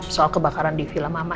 soal kebakaran di film mama